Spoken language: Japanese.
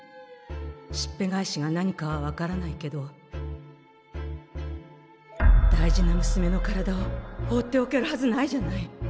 しっぺ返しが何かは分からないけど大事なむすめの体を放っておけるはずないじゃない。